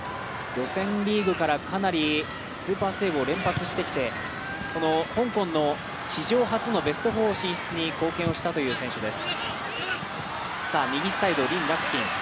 予選リーグから、かなりスーパーセーブを連発してきて香港の史上初のベスト４進出に貢献したという選手です。